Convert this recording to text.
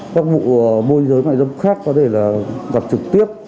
các vụ mua dưới mại dâm khác có thể là gặp trực tiếp